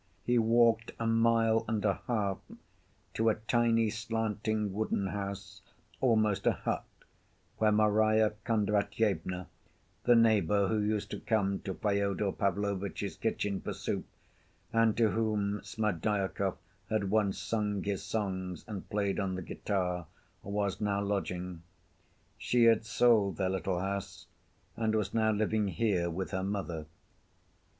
He walked a mile and a half to a tiny, slanting, wooden house, almost a hut, where Marya Kondratyevna, the neighbor who used to come to Fyodor Pavlovitch's kitchen for soup and to whom Smerdyakov had once sung his songs and played on the guitar, was now lodging. She had sold their little house, and was now living here with her mother.